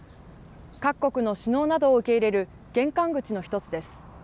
各国の首脳などを受け入れる玄関口の１つです。